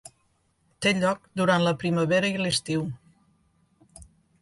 Té lloc durant la primavera i l'estiu.